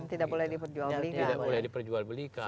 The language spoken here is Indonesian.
tidak boleh diperjual belikan